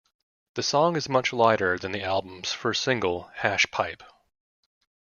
The song is much lighter than the album's first single, "Hash Pipe".